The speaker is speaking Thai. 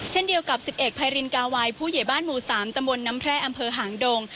เช่นเดียวกับ๑๑ภายรินกาวัยผู้ใหญ่บ้านหมู่๓ตำบลน้ำแพร่อำเภอหางดง